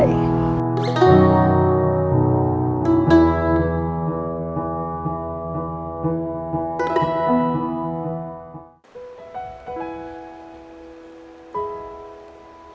มาจับไม่ได้มาจับไม่ได้